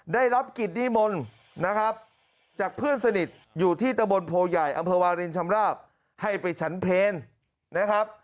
ได้รับกิจดิมลนะครับจากเพื่อนสนิทอยู่ที่ตะบนโภยายอำเภอวาริญชำราบให้ไปฉันเพลง